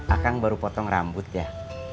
akan baru potong rambut ya